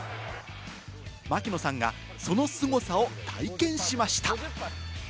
槙野さんがそのすごさを体験しました。